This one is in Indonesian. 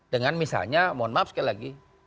dengan misalnya mohon maaf sekali lagi